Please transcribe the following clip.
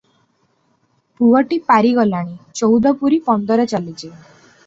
ପୁଅଟି ପାରି ଗଲାଣି, ଚଉଦ ପୁରୀ ପନ୍ଦର ଚାଲିଛି ।